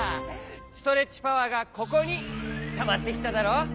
ストレッチパワーがここにたまってきただろ！